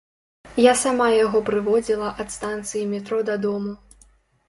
Я сама яго прыводзіла ад станцыі метро дадому.